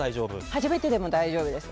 初めてでも大丈夫です。